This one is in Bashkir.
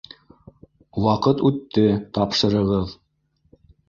— Ваҡыт үтте, тапшырығыҙ!